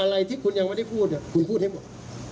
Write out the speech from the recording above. อะไรที่คุณยังไม่ได้พูดคุณพูดให้หมด